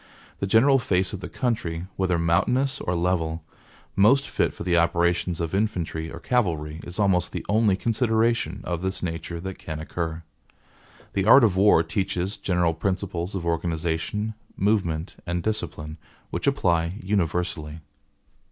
The general face of the country, whether mountainous or level, most fit for the operations of infantry or cavalry, is almost the only consideration of this nature that can occur. The art of war teaches general principles of organization, movement, and discipline, which apply universally.)